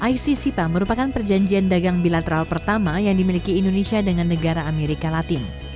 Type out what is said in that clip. ic sipa merupakan perjanjian dagang bilateral pertama yang dimiliki indonesia dengan negara amerika latin